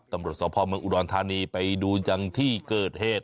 ตำรวจสอบพ่อเมืองอุดรธานีไปดูจังที่เกิดเหตุ